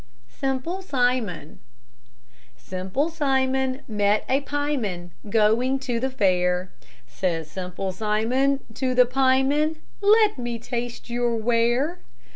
SIMPLE SIMON Simple Simon met a pieman, Going to the fair; Says Simple Simon to the pieman, "Let me taste your ware."